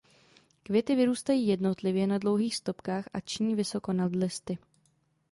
Květy vyrůstají jednotlivě na dlouhých stopkách a ční vysoko nad listy.